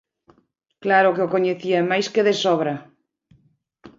¡Claro que o coñecía, e máis que de sobra!